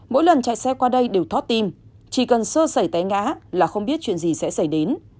mỗi lần chạy xe qua đây đều thoát tim chỉ cần sơ sẩy té ngã là không biết chuyện gì sẽ xảy đến